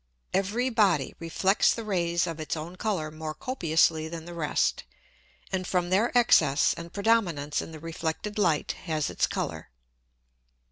Every Body reflects the Rays of its own Colour more copiously than the rest, and from their excess and predominance in the reflected Light has its Colour.